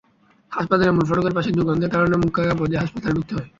হাসপাতালের মূল ফটকের পাশেই দুর্গন্ধের কারণে মুখে কাপড় দিয়ে হাসপাতালে ঢুকতে হয়।